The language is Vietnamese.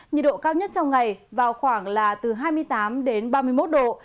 nhiệt độ cao nhất trong ngày vào khoảng là từ hai mươi tám đến ba mươi một độ